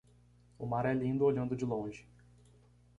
O mar é lindo olhando de longe.